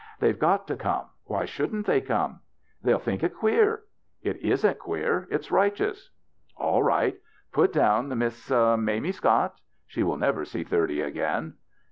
"They've got to come. Why shouldn't they come ?" "They'll think it queer." " It isn't queer. It's righteous." "All right. Put down Miss Mamie Scott. She will never see thirty again."